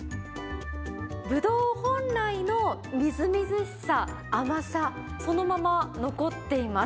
ブドウ本来のみずみずしさ、甘さ、そのまま残っています。